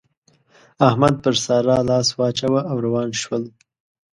احمد پر سارا لاس واچاوو او روان شول.